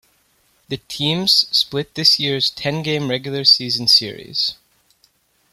The teams split this year's ten-game regular season series.